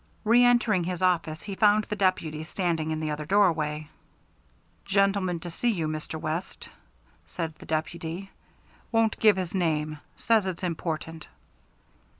Reentering his office he found the deputy standing in the other doorway. "Gentleman to see you, Mr. West," said the deputy. "Won't give his name. Says it's important."